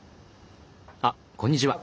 あこんにちは。